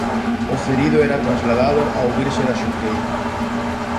O ferido era trasladado ao Virxe da Xunqueira.